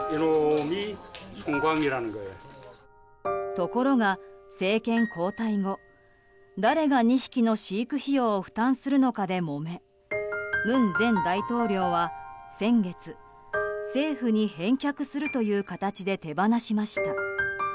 ところが政権交代後誰が２匹の飼育費用を負担するのかでもめ文前大統領は先月、政府に返却するという形で手放しました。